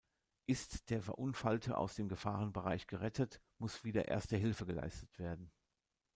Ist der Verunfallte aus dem Gefahrenbereich gerettet, muss wieder Erste-Hilfe geleistet werden.